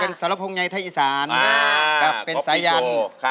เป็นต้รพยายายไทยศาลและเป็นสายันครับ